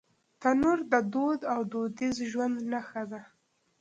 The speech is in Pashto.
تنور د دود او دودیز ژوند نښه ده